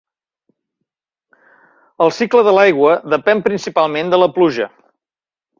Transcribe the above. El cicle de l'aigua depèn principalment de la pluja.